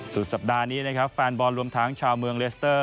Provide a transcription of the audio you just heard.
สุดสัปดาห์นี้นะครับแฟนบอลรวมทั้งชาวเมืองเลสเตอร์